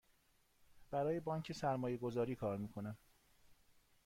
برای بانک سرمایه گذاری کار می کنم.